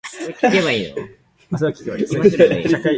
It is the second longest cave on the island.